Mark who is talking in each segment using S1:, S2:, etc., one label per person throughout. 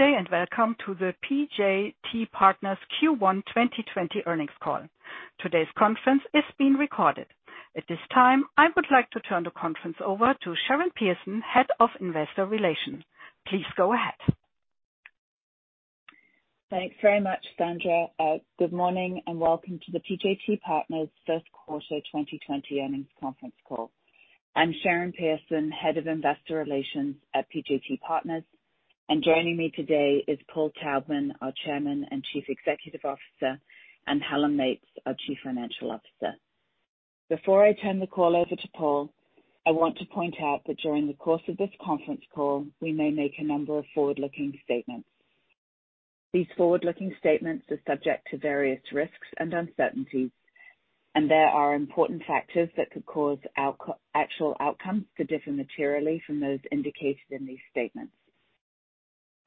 S1: Good day and welcome to the PJT Partners Q1 2020 Earnings Call. Today's conference is being recorded. At this time, I would like to turn the conference over to Sharon Pearson, Head of Investor Relations. Please go ahead.
S2: Thanks very much, Sandra. Good morning and welcome to the PJT Partners First Quarter 2020 Earnings Conference Call. I'm Sharon Pearson, Head of Investor Relations at PJT Partners, and joining me today is Paul Taubman, our Chairman and Chief Executive Officer, and Helen Meates, our Chief Financial Officer. Before I turn the call over to Paul, I want to point out that during the course of this conference call, we may make a number of forward-looking statements. These forward-looking statements are subject to various risks and uncertainties, and there are important factors that could cause actual outcomes to differ materially from those indicated in these statements.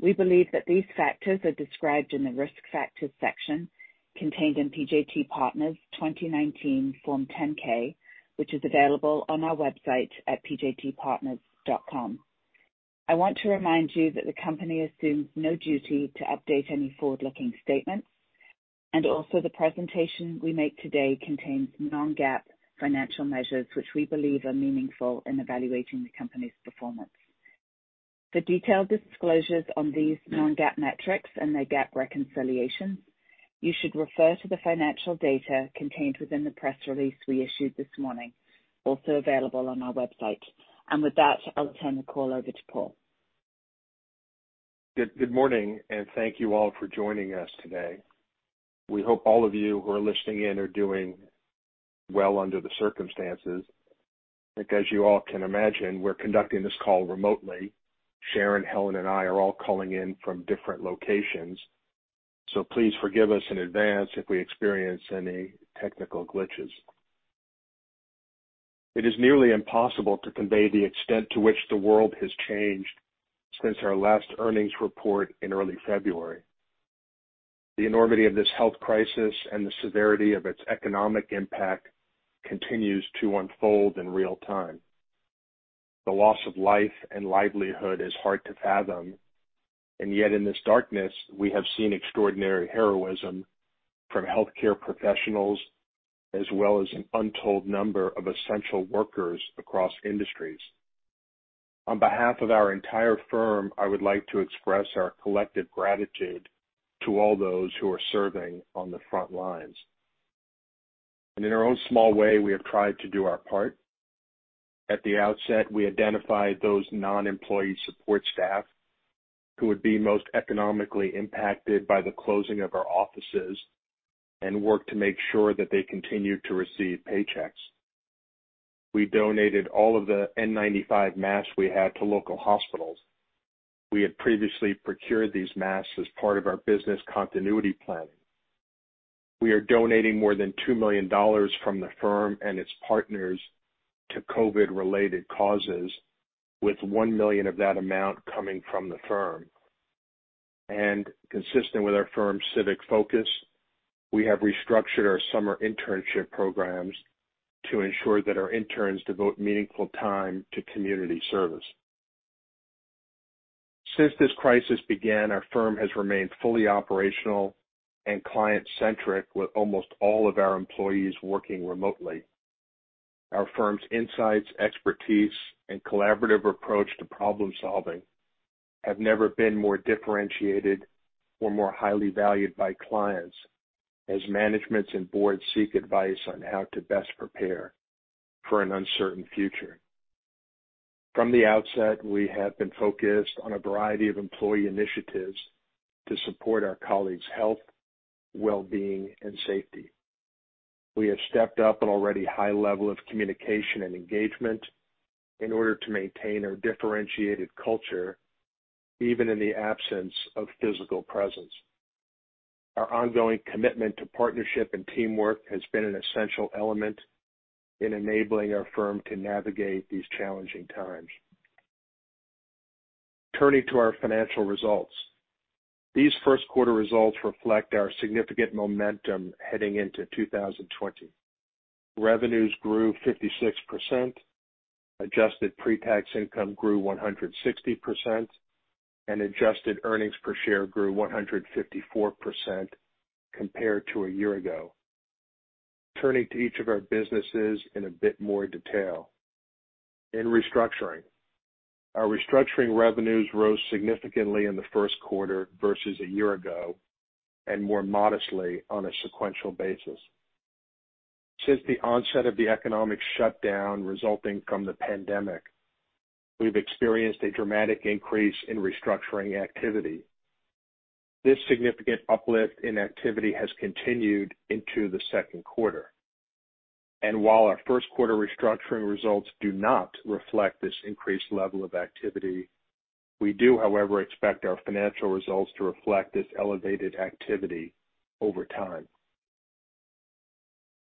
S2: We believe that these factors are described in the risk factors section contained in PJT Partners 2019 Form 10-K, which is available on our website at pjtpartners.com. I want to remind you that the company assumes no duty to update any forward-looking statements, and also the presentation we make today contains non-GAAP financial measures which we believe are meaningful in evaluating the company's performance. For detailed disclosures on these non-GAAP metrics and their GAAP reconciliations, you should refer to the financial data contained within the press release we issued this morning, also available on our website, and with that, I'll turn the call over to Paul.
S3: Good morning and thank you all for joining us today. We hope all of you who are listening in are doing well under the circumstances. As you all can imagine, we're conducting this call remotely. Sharon, Helen, and I are all calling in from different locations, so please forgive us in advance if we experience any technical glitches. It is nearly impossible to convey the extent to which the world has changed since our last earnings report in early February. The enormity of this health crisis and the severity of its economic impact continues to unfold in real time. The loss of life and livelihood is hard to fathom, and yet in this darkness, we have seen extraordinary heroism from healthcare professionals as well as an untold number of essential workers across industries. On behalf of our entire firm, I would like to express our collective gratitude to all those who are serving on the front lines. And in our own small way, we have tried to do our part. At the outset, we identified those non-employee support staff who would be most economically impacted by the closing of our offices and worked to make sure that they continued to receive paychecks. We donated all of the N95 masks we had to local hospitals. We had previously procured these masks as part of our business continuity planning. We are donating more than $2 million from the firm and its partners to COVID-related causes, with $1 million of that amount coming from the firm. And consistent with our firm's civic focus, we have restructured our summer internship programs to ensure that our interns devote meaningful time to community service. Since this crisis began, our firm has remained fully operational and client-centric, with almost all of our employees working remotely. Our firm's insights, expertise, and collaborative approach to problem-solving have never been more differentiated or more highly valued by clients as managements and boards seek advice on how to best prepare for an uncertain future. From the outset, we have been focused on a variety of employee initiatives to support our colleagues' health, well-being, and safety. We have stepped up an already high level of communication and engagement in order to maintain our differentiated culture, even in the absence of physical presence. Our ongoing commitment to partnership and teamwork has been an essential element in enabling our firm to navigate these challenging times. Turning to our financial results, these first quarter results reflect our significant momentum heading into 2020. Revenues grew 56%, adjusted pre-tax income grew 160%, and adjusted earnings per share grew 154% compared to a year ago. Turning to each of our businesses in a bit more detail. In Restructuring, our Restructuring revenues rose significantly in the first quarter versus a year ago and more modestly on a sequential basis. Since the onset of the economic shutdown resulting from the pandemic, we've experienced a dramatic increase in Restructuring activity. This significant uplift in activity has continued into the second quarter, and while our first quarter Restructuring results do not reflect this increased level of activity, we do, however, expect our financial results to reflect this elevated activity over time.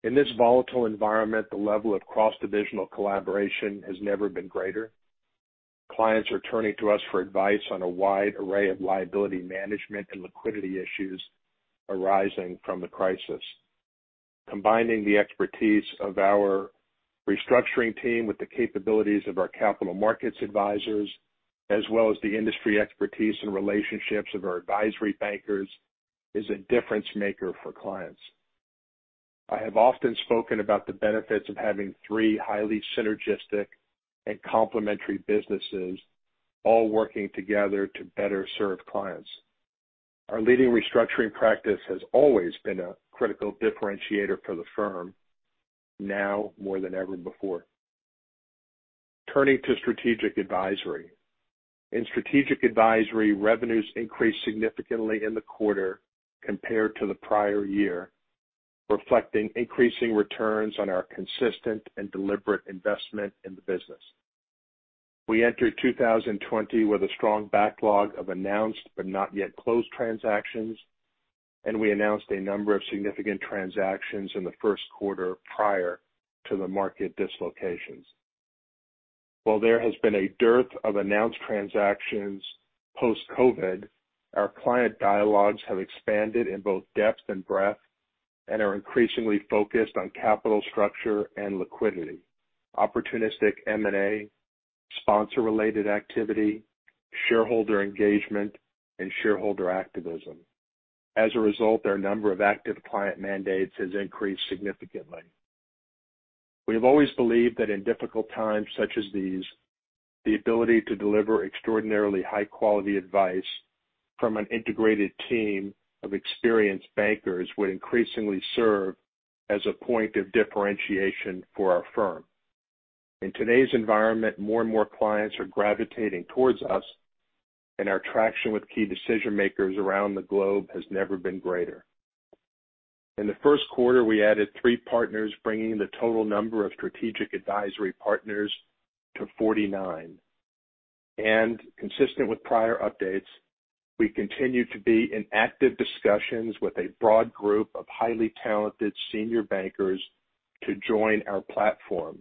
S3: In this volatile environment, the level of cross-divisional collaboration has never been greater. Clients are turning to us for advice on a wide array of liability management and liquidity issues arising from the crisis. Combining the expertise of our Restructuring team with the capabilities of our capital markets advisors, as well as the industry expertise and relationships of our advisory bankers, is a difference maker for clients. I have often spoken about the benefits of having three highly synergistic and complementary businesses all working together to better serve clients. Our leading Restructuring practice has always been a critical differentiator for the firm, now more than ever before. Turning to Strategic Advisory. In Strategic Advisory, revenues increased significantly in the quarter compared to the prior year, reflecting increasing returns on our consistent and deliberate investment in the business. We entered 2020 with a strong backlog of announced but not yet closed transactions, and we announced a number of significant transactions in the first quarter prior to the market dislocations. While there has been a dearth of announced transactions post-COVID, our client dialogues have expanded in both depth and breadth and are increasingly focused on capital structure and liquidity, opportunistic M&A, sponsor-related activity, shareholder engagement, and shareholder activism. As a result, our number of active client mandates has increased significantly. We have always believed that in difficult times such as these, the ability to deliver extraordinarily high-quality advice from an integrated team of experienced bankers would increasingly serve as a point of differentiation for our firm. In today's environment, more and more clients are gravitating towards us, and our traction with key decision-makers around the globe has never been greater. In the first quarter, we added three partners, bringing the total number of Strategic Advisory partners to 49. Consistent with prior updates, we continue to be in active discussions with a broad group of highly talented senior bankers to join our platform.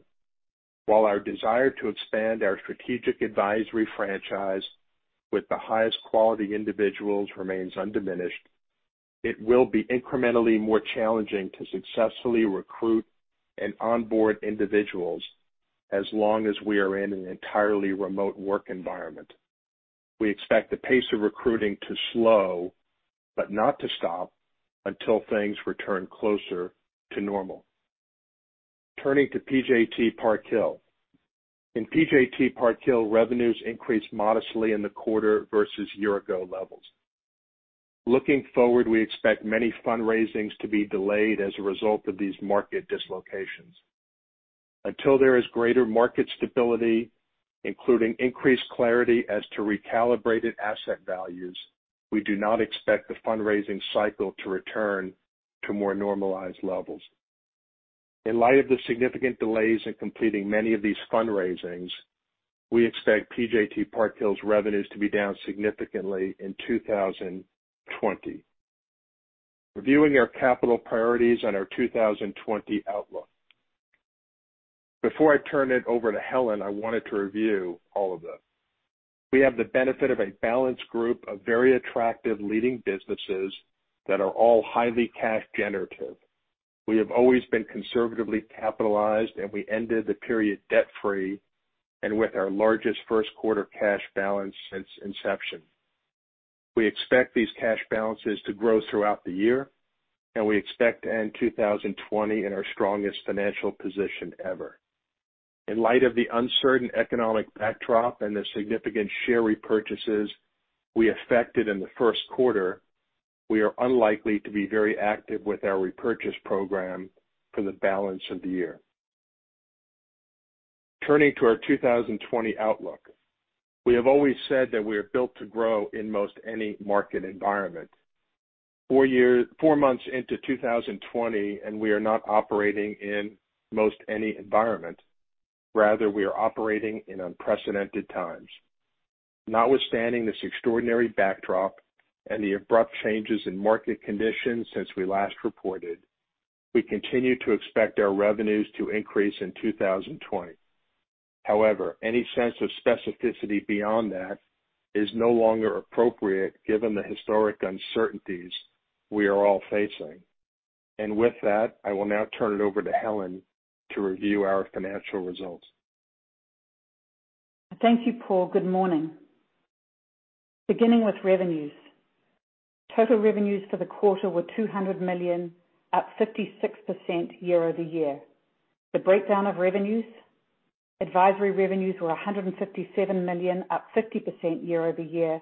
S3: While our desire to expand our Strategic Advisory franchise with the highest quality individuals remains undiminished, it will be incrementally more challenging to successfully recruit and onboard individuals as long as we are in an entirely remote work environment. We expect the pace of recruiting to slow but not to stop until things return closer to normal. Turning to PJT Park Hill. In PJT Park Hill, revenues increased modestly in the quarter versus year-ago levels. Looking forward, we expect many fundraisings to be delayed as a result of these market dislocations. Until there is greater market stability, including increased clarity as to recalibrated asset values, we do not expect the fundraising cycle to return to more normalized levels. In light of the significant delays in completing many of these fundraisings, we expect PJT Park Hill's revenues to be down significantly in 2020. Reviewing our capital priorities and our 2020 outlook. Before I turn it over to Helen, I wanted to review all of them. We have the benefit of a balanced group of very attractive leading businesses that are all highly cash-generative. We have always been conservatively capitalized, and we ended the period debt-free and with our largest first-quarter cash balance since inception. We expect these cash balances to grow throughout the year, and we expect to end 2020 in our strongest financial position ever. In light of the uncertain economic backdrop and the significant share repurchases we effected in the first quarter, we are unlikely to be very active with our repurchase program for the balance of the year. Turning to our 2020 outlook. We have always said that we are built to grow in most any market environment. Four months into 2020, and we are not operating in most any environment. Rather, we are operating in unprecedented times. Notwithstanding this extraordinary backdrop and the abrupt changes in market conditions since we last reported, we continue to expect our revenues to increase in 2020. However, any sense of specificity beyond that is no longer appropriate given the historic uncertainties we are all facing, and with that, I will now turn it over to Helen to review our financial results.
S4: Thank you, Paul. Good morning. Beginning with revenues. Total revenues for the quarter were $200 million, up 56% year-over-year. The breakdown of revenues: advisory revenues were $157 million, up 50% year-over-year,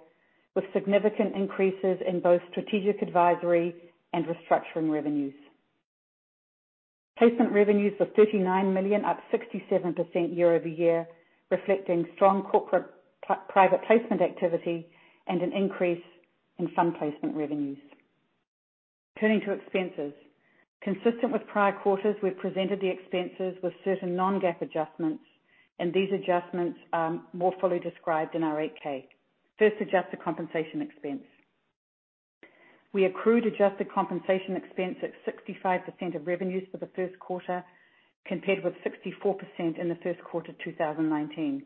S4: with significant increases in both Strategic Advisory and Restructuring revenues. Placement revenues were $39 million, up 67% year-over-year, reflecting strong corporate private placement activity and an increase in fund placement revenues. Turning to expenses. Consistent with prior quarters, we've presented the expenses with certain non-GAAP adjustments, and these adjustments are more fully described in our 8-K. First, adjusted compensation expense. We accrued adjusted compensation expense at 65% of revenues for the first quarter, compared with 64% in the first quarter of 2019.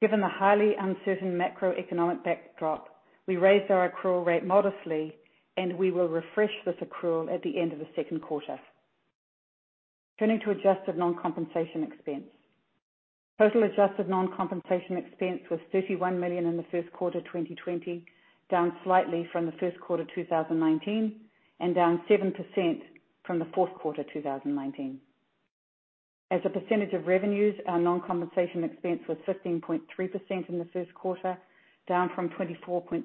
S4: Given the highly uncertain macroeconomic backdrop, we raised our accrual rate modestly, and we will refresh this accrual at the end of the second quarter. Turning to adjusted non-compensation expense. Total adjusted non-compensation expense was $31 million in the first quarter of 2020, down slightly from the first quarter of 2019 and down 7% from the fourth quarter of 2019. As a percentage of revenues, our non-compensation expense was 15.3% in the first quarter, down from 24.2%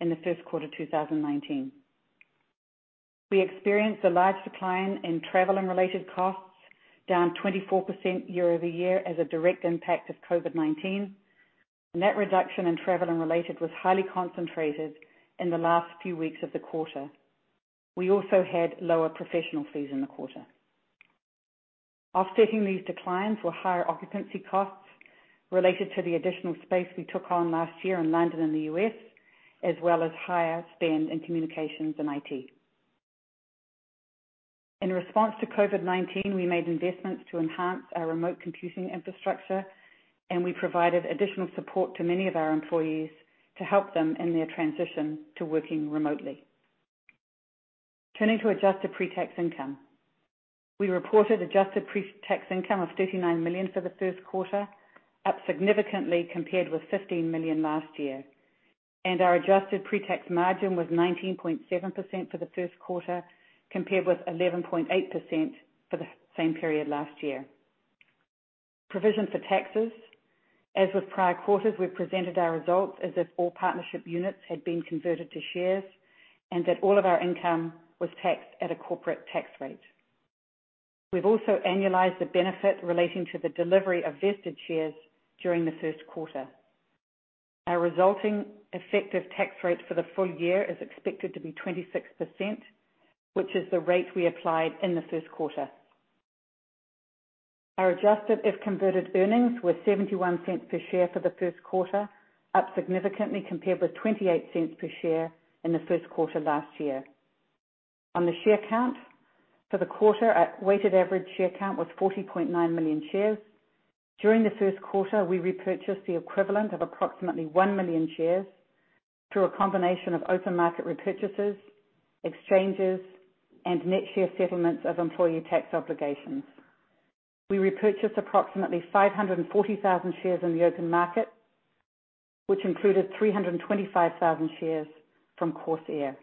S4: in the first quarter of 2019. We experienced a large decline in travel and related costs, down 24% year-over-year as a direct impact of COVID-19, and that reduction in travel and related was highly concentrated in the last few weeks of the quarter. We also had lower professional fees in the quarter. Offsetting these declines were higher occupancy costs related to the additional space we took on last year in London and the U.S., as well as higher spend in communications and IT. In response to COVID-19, we made investments to enhance our remote computing infrastructure, and we provided additional support to many of our employees to help them in their transition to working remotely. Turning to adjusted pre-tax income. We reported adjusted pre-tax income of $39 million for the first quarter, up significantly compared with $15 million last year, and our adjusted pre-tax margin was 19.7% for the first quarter, compared with 11.8% for the same period last year. Provision for taxes. As with prior quarters, we presented our results as if all partnership units had been converted to shares and that all of our income was taxed at a corporate tax rate. We've also annualized the benefit relating to the delivery of vested shares during the first quarter. Our resulting effective tax rate for the full year is expected to be 26%, which is the rate we applied in the first quarter. Our adjusted if-converted earnings were $0.71 per share for the first quarter, up significantly compared with $0.28 per share in the first quarter last year. On the share count for the quarter, our weighted average share count was 40.9 million shares. During the first quarter, we repurchased the equivalent of approximately 1 million shares through a combination of open market repurchases, exchanges, and net share settlements of employee tax obligations. We repurchased approximately 540,000 shares in the open market, which included 325,000 shares from Corsair.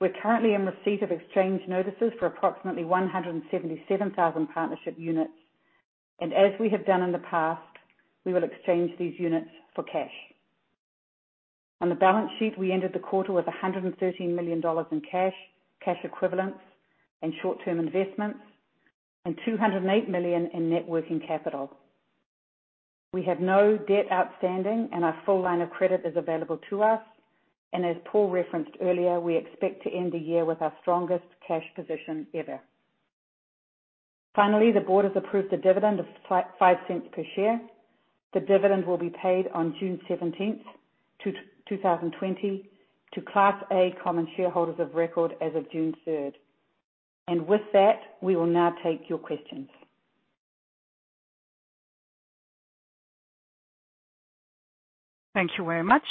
S4: We're currently in receipt of exchange notices for approximately 177,000 partnership units, and as we have done in the past, we will exchange these units for cash. On the balance sheet, we ended the quarter with $113 million in cash, cash equivalents, and short-term investments, and $208 million in net working capital. We have no debt outstanding, and our full line of credit is available to us. And as Paul referenced earlier, we expect to end the year with our strongest cash position ever. Finally, the board has approved a dividend of $0.05 per share. The dividend will be paid on June 17th, 2020, to Class A common shareholders of record as of June 3rd. And with that, we will now take your questions.
S1: Thank you very much.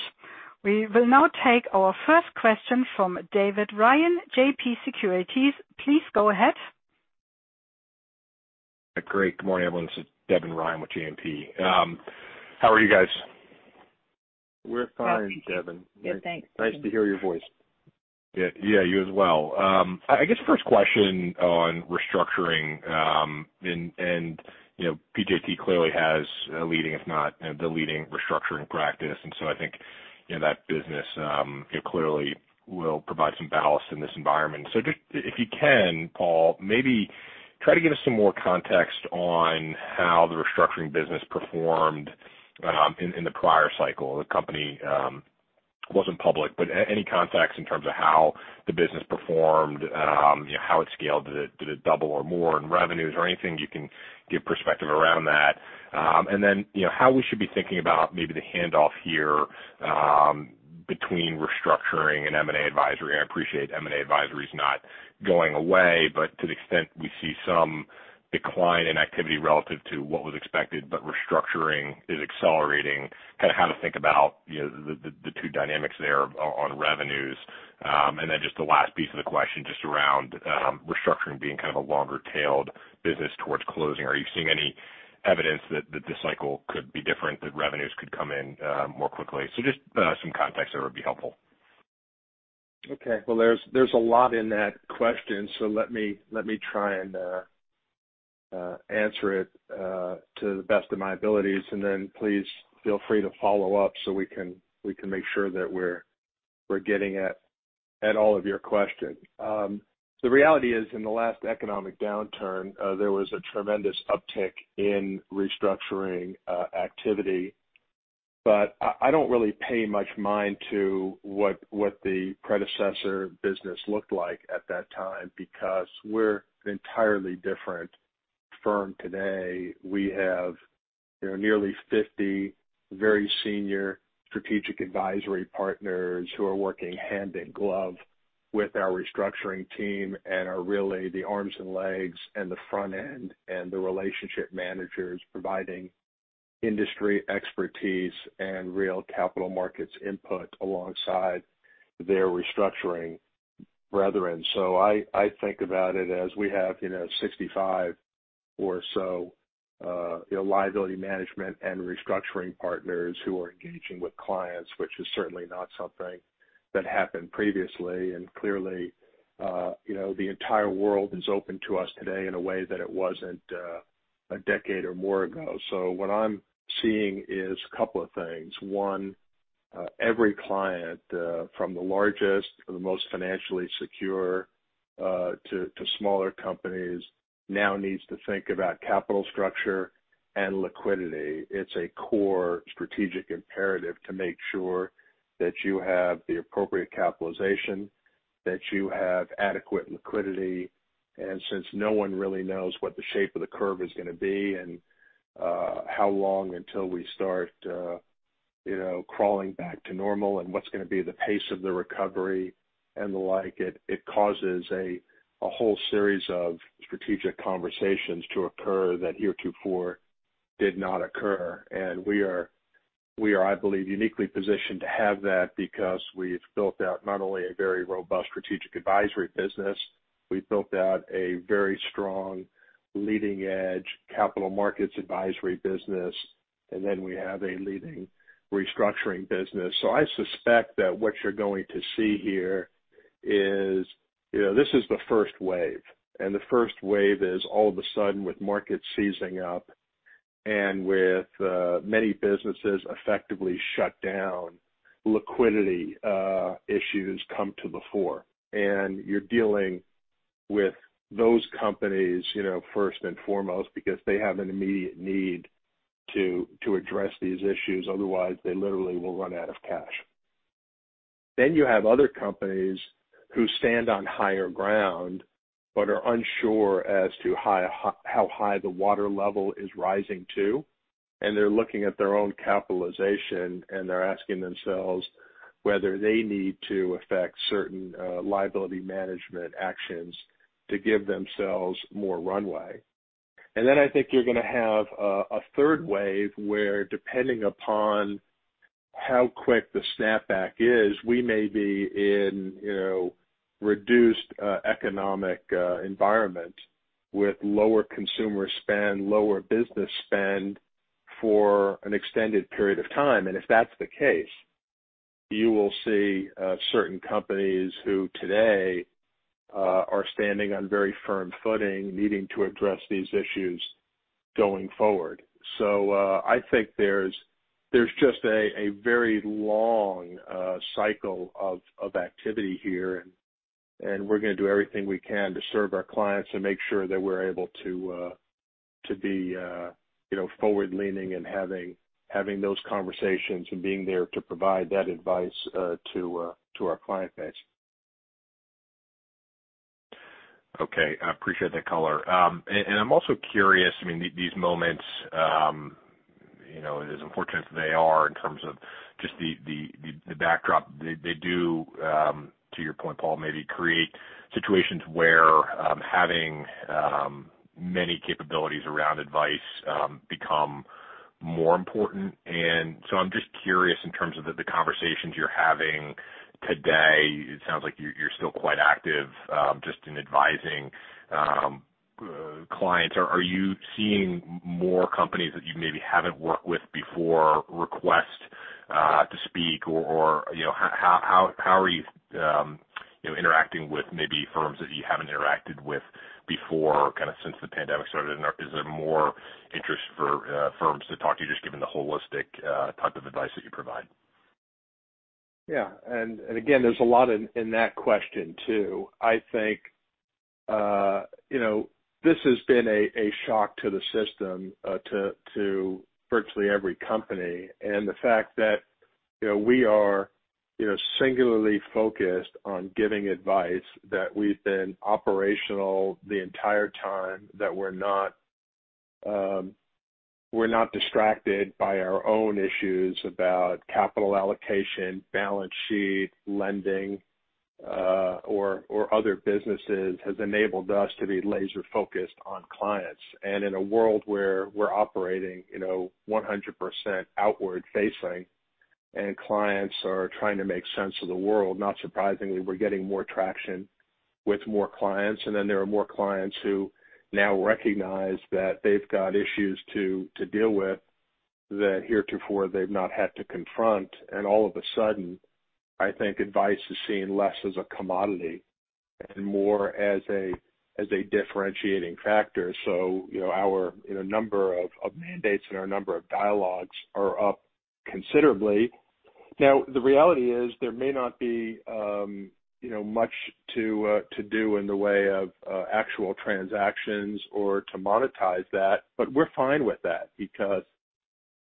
S1: We will now take our first question from Devin Ryan, JMP Securities. Please go ahead.
S5: Great. Good morning, everyone. This is Devin Ryan with JMP. How are you guys?
S3: We're fine, Devin.
S4: Yes, thanks.
S5: Nice to hear your voice. Yeah, you as well. I guess first question on Restructuring, and PJT clearly has a leading, if not the leading, Restructuring practice, and so I think that business clearly will provide some ballast in this environment. So just if you can, Paul, maybe try to give us some more context on how the Restructuring business performed in the prior cycle. The company wasn't public, but any context in terms of how the business performed, how it scaled, did it double or more in revenues, or anything you can give perspective around that, and then how we should be thinking about maybe the handoff here between Restructuring and M&A advisory. I appreciate M&A advisory is not going away, but to the extent we see some decline in activity relative to what was expected, but Restructuring is accelerating, kind of how to think about the two dynamics there on revenues. And then just the last piece of the question just around Restructuring being kind of a longer-tailed business towards closing. Are you seeing any evidence that this cycle could be different, that revenues could come in more quickly? So just some context there would be helpful.
S3: Okay. Well, there's a lot in that question, so let me try and answer it to the best of my abilities. And then please feel free to follow up so we can make sure that we're getting at all of your questions. The reality is in the last economic downturn, there was a tremendous uptick in Restructuring activity. But I don't really pay much mind to what the predecessor business looked like at that time because we're an entirely different firm today. We have nearly 50 very senior Strategic Advisory partners who are working hand in glove with our Restructuring team and are really the arms and legs and the front end and the relationship managers providing industry expertise and real capital markets input alongside their Restructuring brethren. So I think about it as we have 65 or so liability management and Restructuring partners who are engaging with clients, which is certainly not something that happened previously. And clearly, the entire world is open to us today in a way that it wasn't a decade or more ago. So what I'm seeing is a couple of things. One, every client from the largest, the most financially secure to smaller companies now needs to think about capital structure and liquidity. It's a core strategic imperative to make sure that you have the appropriate capitalization, that you have adequate liquidity. And since no one really knows what the shape of the curve is going to be and how long until we start crawling back to normal and what's going to be the pace of the recovery and the like, it causes a whole series of strategic conversations to occur that heretofore did not occur. And we are, I believe, uniquely positioned to have that because we've built out not only a very robust Strategic Advisory business, we've built out a very strong leading-edge Capital Markets Advisory business, and then we have a leading Restructuring business. So I suspect that what you're going to see here is this is the first wave. And the first wave is all of a sudden, with markets seizing up and with many businesses effectively shut down, liquidity issues come to the fore. And you're dealing with those companies first and foremost because they have an immediate need to address these issues. Otherwise, they literally will run out of cash. Then you have other companies who stand on higher ground but are unsure as to how high the water level is rising to. And they're looking at their own capitalization, and they're asking themselves whether they need to affect certain liability management actions to give themselves more runway. And then I think you're going to have a third wave where, depending upon how quick the snapback is, we may be in reduced economic environment with lower consumer spend, lower business spend for an extended period of time. And if that's the case, you will see certain companies who today are standing on very firm footing needing to address these issues going forward. So I think there's just a very long cycle of activity here, and we're going to do everything we can to serve our clients and make sure that we're able to be forward-leaning and having those conversations and being there to provide that advice to our client base.
S5: Okay. I appreciate that color. And I'm also curious, I mean, these moments, as unfortunate as they are in terms of just the backdrop, they do, to your point, Paul, maybe create situations where having many capabilities around advice become more important. And so I'm just curious in terms of the conversations you're having today. It sounds like you're still quite active just in advising clients. Are you seeing more companies that you maybe haven't worked with before request to speak? Or how are you interacting with maybe firms that you haven't interacted with before kind of since the pandemic started? And is there more interest for firms to talk to you just given the holistic type of advice that you provide?
S3: Yeah. And again, there's a lot in that question too. I think this has been a shock to the system, to virtually every company. And the fact that we are singularly focused on giving advice, that we've been operational the entire time, that we're not distracted by our own issues about capital allocation, balance sheet, lending, or other businesses has enabled us to be laser-focused on clients. And in a world where we're operating 100% outward-facing and clients are trying to make sense of the world, not surprisingly, we're getting more traction with more clients. And then there are more clients who now recognize that they've got issues to deal with that heretofore they've not had to confront. And all of a sudden, I think advice is seen less as a commodity and more as a differentiating factor. So our number of mandates and our number of dialogues are up considerably. Now, the reality is there may not be much to do in the way of actual transactions or to monetize that, but we're fine with that because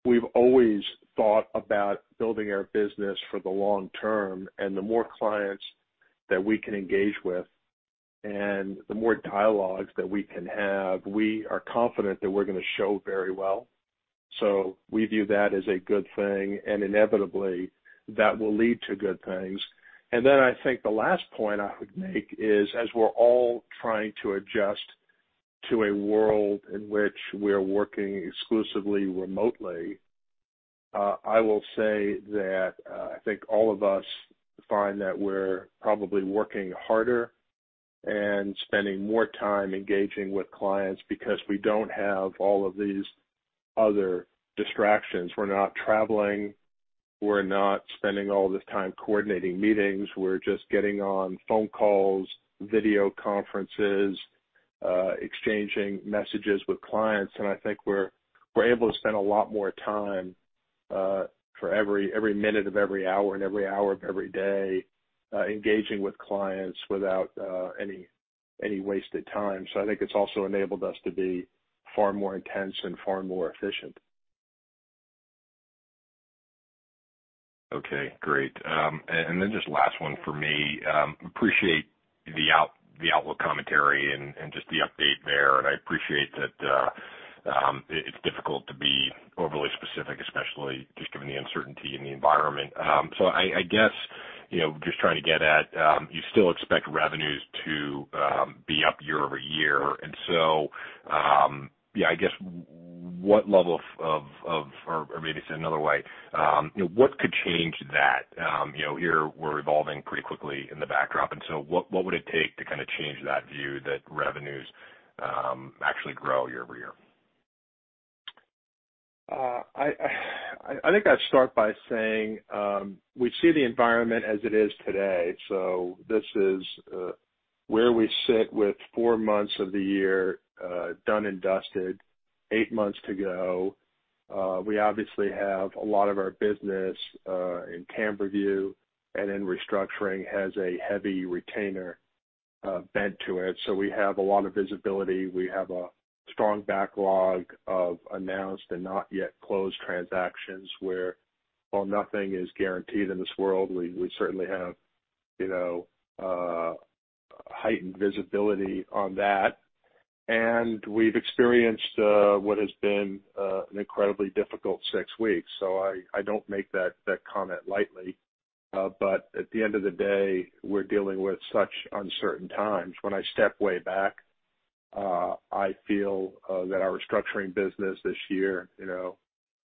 S3: we've always thought about building our business for the long term. And the more clients that we can engage with and the more dialogues that we can have, we are confident that we're going to show very well. So we view that as a good thing. And inevitably, that will lead to good things. And then I think the last point I would make is, as we're all trying to adjust to a world in which we're working exclusively remotely, I will say that I think all of us find that we're probably working harder and spending more time engaging with clients because we don't have all of these other distractions. We're not traveling. We're not spending all this time coordinating meetings. We're just getting on phone calls, video conferences, exchanging messages with clients. And I think we're able to spend a lot more time for every minute of every hour and every hour of every day engaging with clients without any wasted time. So I think it's also enabled us to be far more intense and far more efficient.
S5: Okay. Great. And then just last one for me. Appreciate the outlook commentary and just the update there. And I appreciate that it's difficult to be overly specific, especially just given the uncertainty in the environment. So I guess just trying to get at you still expect revenues to be up year-over-year. And so, yeah, I guess what level of or maybe say another way, what could change that? Here we're evolving pretty quickly in the backdrop. And so what would it take to kind of change that view that revenues actually grow year-over-year?
S3: I think I'd start by saying we see the environment as it is today, so this is where we sit with four months of the year done and dusted, eight months to go. We obviously have a lot of our business in CamberView and in Restructuring has a heavy retainer bent to it, so we have a lot of visibility. We have a strong backlog of announced and not yet closed transactions where, while nothing is guaranteed in this world, we certainly have heightened visibility on that, and we've experienced what has been an incredibly difficult six weeks, so I don't make that comment lightly. But at the end of the day, we're dealing with such uncertain times. When I step way back, I feel that our Restructuring business this year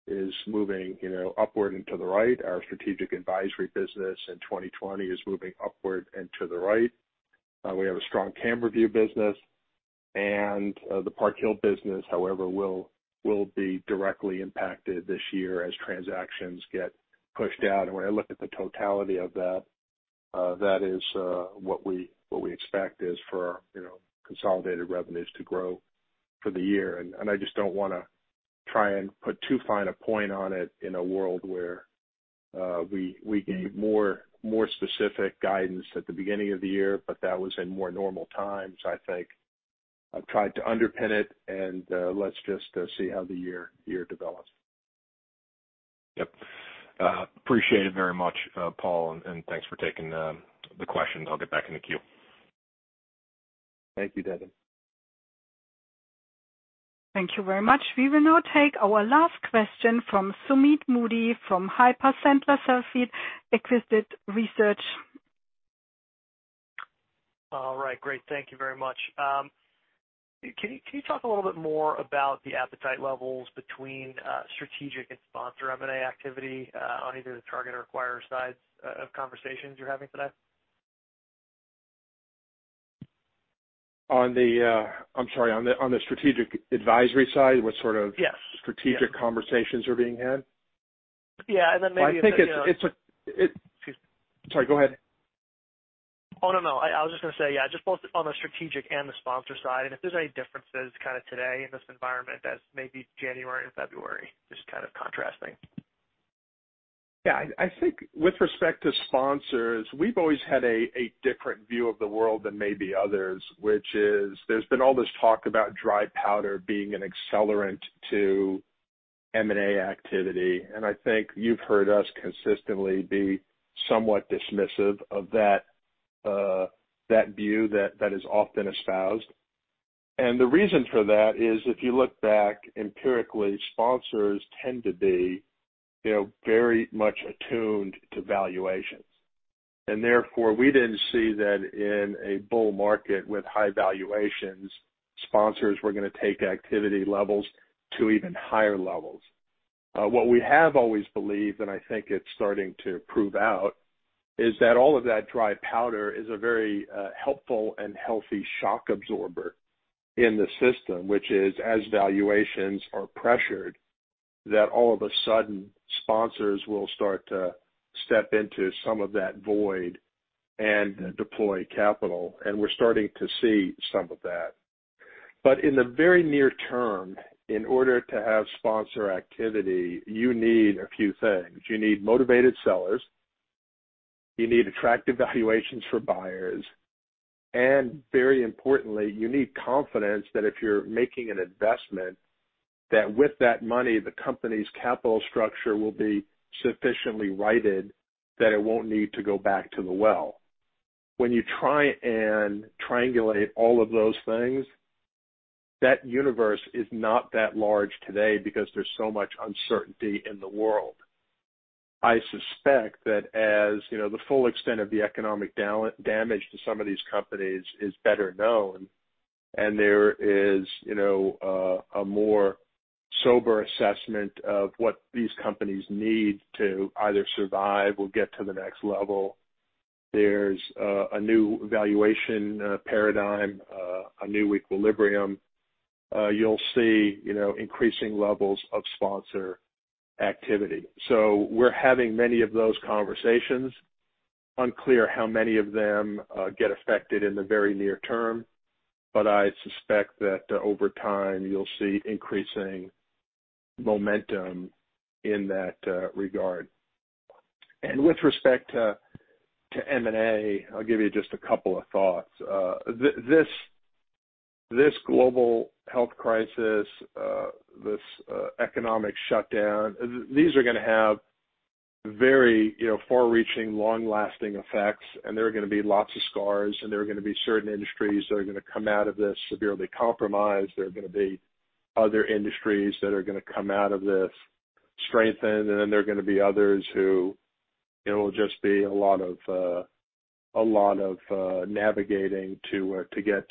S3: is moving upward and to the right. Our Strategic Advisory business in 2020 is moving upward and to the right. We have a strong CamberView business. And the Park Hill business, however, will be directly impacted this year as transactions get pushed out. And when I look at the totality of that, that is what we expect is for consolidated revenues to grow for the year. And I just don't want to try and put too fine a point on it in a world where we gave more specific guidance at the beginning of the year, but that was in more normal times. I think I've tried to underpin it, and let's just see how the year develops.
S5: Yep. Appreciate it very much, Paul. And thanks for taking the questions. I'll get back in the queue.
S3: Thank you, Devin.
S1: Thank you very much. We will now take our last question from Sumeet Mody from Piper Sandler.
S6: All right. Great. Thank you very much. Can you talk a little bit more about the appetite levels between strategic and sponsor M&A activity on either the target or acquirer sides of conversations you're having today?
S3: On the Strategic Advisory side, what sort of strategic conversations are being had?
S6: Yeah. And then maybe the.
S3: I think it's a.
S6: Excuse me.
S3: Sorry. Go ahead.
S6: Oh, no, no. I was just going to say, yeah, just both on the strategic and the sponsor side, and if there's any differences kind of today in this environment as maybe January and February, just kind of contrasting.
S3: Yeah. I think with respect to sponsors, we've always had a different view of the world than maybe others, which is there's been all this talk about dry powder being an accelerant to M&A activity. And I think you've heard us consistently be somewhat dismissive of that view that is often espoused. And the reason for that is, if you look back empirically, sponsors tend to be very much attuned to valuations. And therefore, we didn't see that in a bull market with high valuations, sponsors were going to take activity levels to even higher levels. What we have always believed, and I think it's starting to prove out, is that all of that dry powder is a very helpful and healthy shock absorber in the system, which is, as valuations are pressured, that all of a sudden, sponsors will start to step into some of that void and deploy capital. And we're starting to see some of that. But in the very near term, in order to have sponsor activity, you need a few things. You need motivated sellers. You need attractive valuations for buyers. And very importantly, you need confidence that if you're making an investment, that with that money, the company's capital structure will be sufficiently righted that it won't need to go back to the well. When you try and triangulate all of those things, that universe is not that large today because there's so much uncertainty in the world. I suspect that as the full extent of the economic damage to some of these companies is better known and there is a more sober assessment of what these companies need to either survive or get to the next level, there's a new valuation paradigm, a new equilibrium, you'll see increasing levels of sponsor activity, so we're having many of those conversations. Unclear how many of them get affected in the very near term, but I suspect that over time, you'll see increasing momentum in that regard and with respect to M&A, I'll give you just a couple of thoughts. This global health crisis, this economic shutdown, these are going to have very far-reaching, long-lasting effects and there are going to be lots of scars, and there are going to be certain industries that are going to come out of this severely compromised. There are going to be other industries that are going to come out of this strengthened. And then there are going to be others who will just be a lot of navigating to get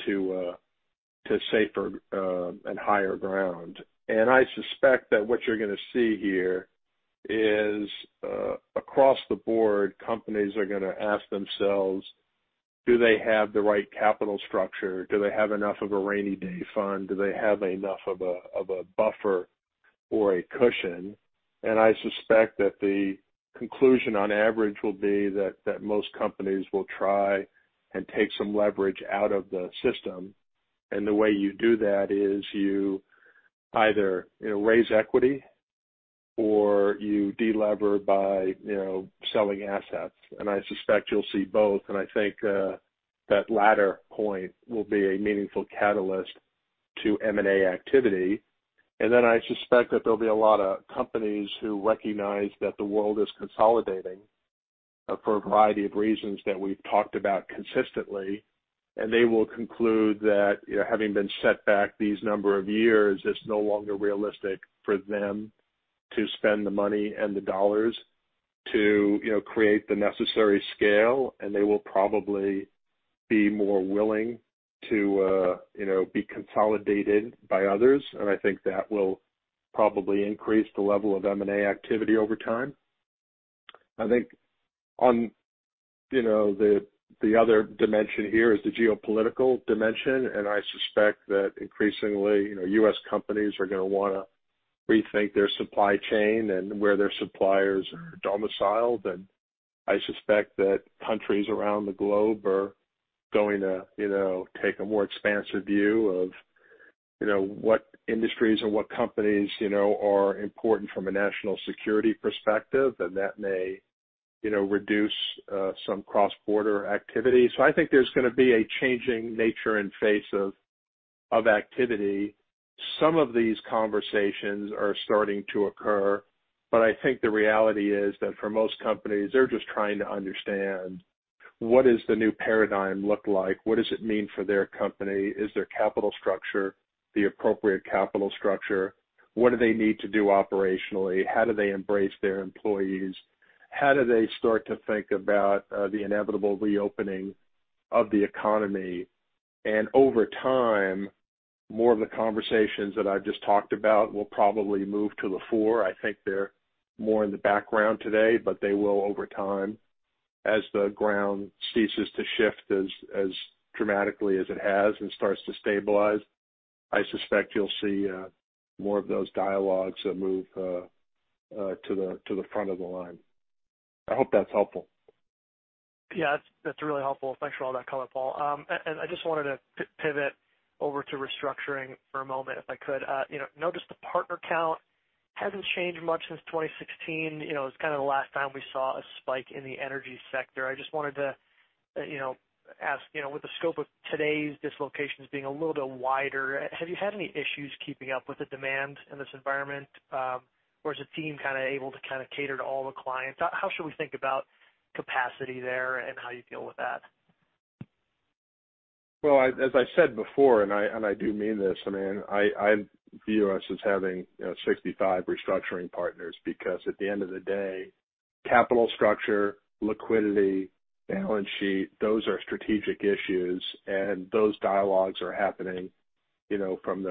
S3: to safer and higher ground. And I suspect that what you're going to see here is, across the board, companies are going to ask themselves, "Do they have the right capital structure? Do they have enough of a rainy day fund? Do they have enough of a buffer or a cushion?" And I suspect that the conclusion on average will be that most companies will try and take some leverage out of the system. And the way you do that is you either raise equity or you delever by selling assets. And I suspect you'll see both. And I think that latter point will be a meaningful catalyst to M&A activity. And then I suspect that there'll be a lot of companies who recognize that the world is consolidating for a variety of reasons that we've talked about consistently. And they will conclude that, having been set back these number of years, it's no longer realistic for them to spend the money and the dollars to create the necessary scale. And they will probably be more willing to be consolidated by others. And I think that will probably increase the level of M&A activity over time. I think on the other dimension here is the geopolitical dimension. And I suspect that increasingly, U.S. companies are going to want to rethink their supply chain and where their suppliers are domiciled. And I suspect that countries around the globe are going to take a more expansive view of what industries and what companies are important from a national security perspective. And that may reduce some cross-border activity. So I think there's going to be a changing nature and face of activity. Some of these conversations are starting to occur. But I think the reality is that for most companies, they're just trying to understand, "What does the new paradigm look like? What does it mean for their company? Is their capital structure the appropriate capital structure? What do they need to do operationally? How do they embrace their employees? How do they start to think about the inevitable reopening of the economy?" And over time, more of the conversations that I've just talked about will probably move to the fore. I think they're more in the background today, but they will over time as the ground ceases to shift as dramatically as it has and starts to stabilize. I suspect you'll see more of those dialogues move to the front of the line. I hope that's helpful.
S6: Yeah. That's really helpful. Thanks for all that comment, Paul. And I just wanted to pivot over to Restructuring for a moment if I could. Notice the partner count hasn't changed much since 2016. It was kind of the last time we saw a spike in the energy sector. I just wanted to ask, with the scope of today's dislocations being a little bit wider, have you had any issues keeping up with the demand in this environment? Or is the team kind of able to kind of cater to all the clients? How should we think about capacity there and how you deal with that?
S3: As I said before, and I do mean this, I mean, I view us as having 65 Restructuring partners because at the end of the day, capital structure, liquidity, balance sheet, those are strategic issues, and those dialogues are happening from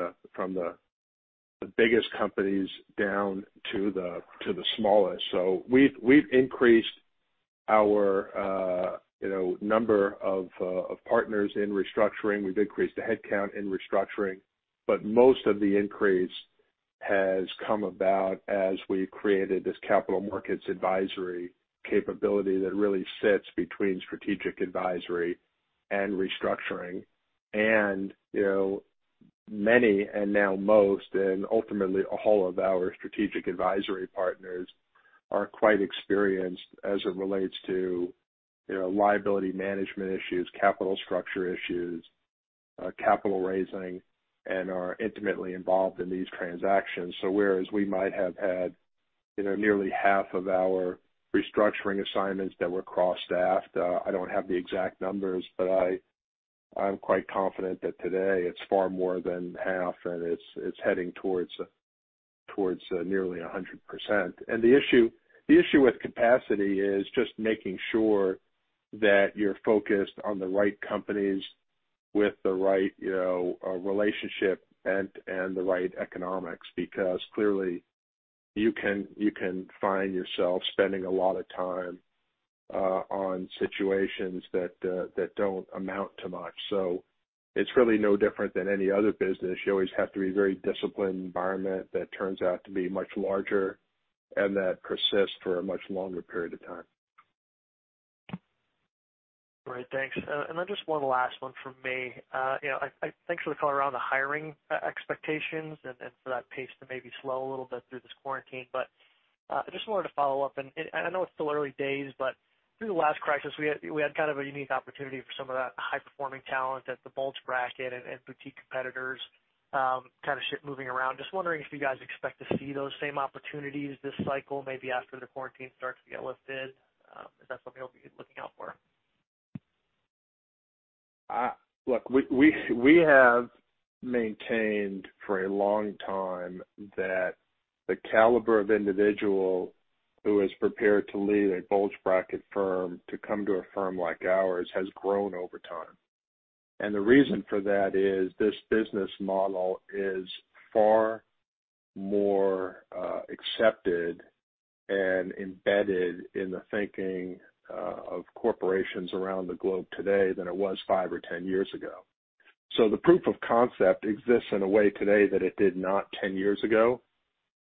S3: the biggest companies down to the smallest, so we've increased our number of partners in Restructuring. We've increased the headcount in Restructuring, but most of the increase has come about as we've created this capital markets advisory capability that really sits between Strategic Advisory and Restructuring, and many, and now most, and ultimately all of our Strategic Advisory partners are quite experienced as it relates to liability management issues, capital structure issues, capital raising, and are intimately involved in these transactions. So, whereas we might have had nearly half of our Restructuring assignments that were cross-staffed, I don't have the exact numbers, but I'm quite confident that today it's far more than half, and it's heading towards nearly 100%. And the issue with capacity is just making sure that you're focused on the right companies with the right relationship and the right economics because clearly, you can find yourself spending a lot of time on situations that don't amount to much. So it's really no different than any other business. You always have to be very disciplined. Environment that turns out to be much larger and that persists for a much longer period of time.
S6: Great. Thanks. And then just one last one from me. Thanks for the call around the hiring expectations and for that pace to maybe slow a little bit through this quarantine. But I just wanted to follow up. And I know it's still early days, but through the last crisis, we had kind of a unique opportunity for some of that high-performing talent at the bulge bracket and boutique competitors kind of shift moving around. Just wondering if you guys expect to see those same opportunities this cycle, maybe after the quarantine starts to get lifted? Is that something you'll be looking out for?
S3: Look, we have maintained for a long time that the caliber of individual who is prepared to lead a bulge bracket firm to come to a firm like ours has grown over time. And the reason for that is this business model is far more accepted and embedded in the thinking of corporations around the globe today than it was five or 10 years ago. So the proof of concept exists in a way today that it did not 10 years ago.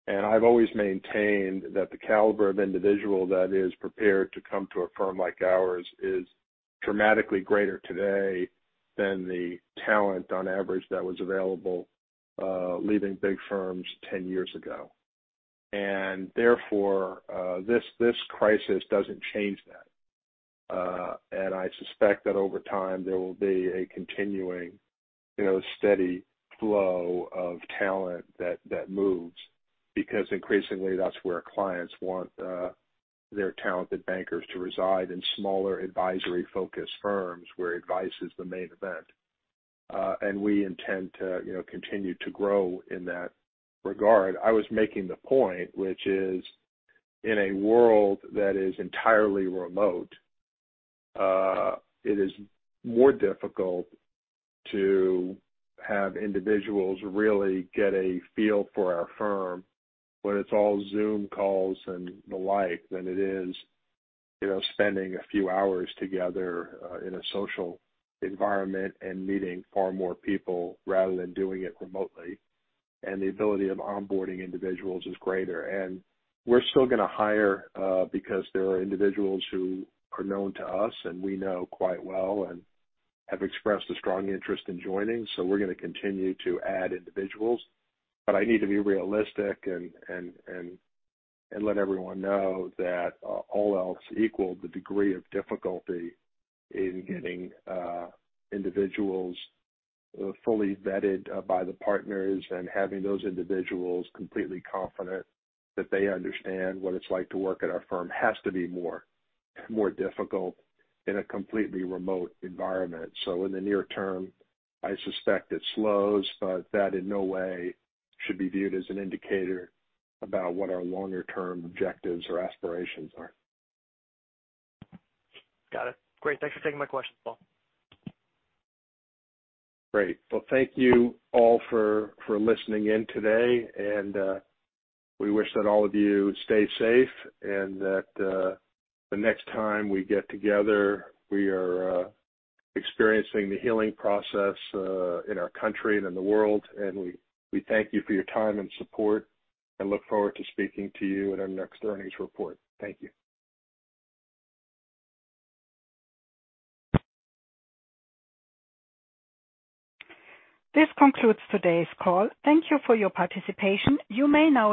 S3: And I've always maintained that the caliber of individual that is prepared to come to a firm like ours is dramatically greater today than the talent on average that was available leaving big firms 10 years ago. And therefore, this crisis doesn't change that. I suspect that over time, there will be a continuing steady flow of talent that moves because increasingly, that's where clients want their talented bankers to reside in smaller advisory-focused firms where advice is the main event. We intend to continue to grow in that regard. I was making the point, which is in a world that is entirely remote, it is more difficult to have individuals really get a feel for our firm when it's all Zoom calls and the like than it is spending a few hours together in a social environment and meeting far more people rather than doing it remotely. The ability of onboarding individuals is greater. We're still going to hire because there are individuals who are known to us and we know quite well and have expressed a strong interest in joining. We're going to continue to add individuals. But I need to be realistic and let everyone know that all else equal the degree of difficulty in getting individuals fully vetted by the partners and having those individuals completely confident that they understand what it's like to work at our firm has to be more difficult in a completely remote environment. So in the near term, I suspect it slows, but that in no way should be viewed as an indicator about what our longer-term objectives or aspirations are.
S6: Got it. Great. Thanks for taking my questions, Paul.
S3: Great. Well, thank you all for listening in today. And we wish that all of you stay safe and that the next time we get together, we are experiencing the healing process in our country and in the world. And we thank you for your time and support and look forward to speaking to you at our next earnings report. Thank you.
S1: This concludes today's call. Thank you for your participation. You may now.